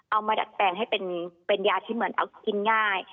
มาดัดแปลงให้เป็นยาที่เหมือนเอากินง่าย